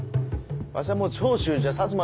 わしゃもう長州じゃ摩